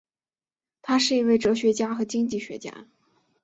他是一位哲学家和经济学家。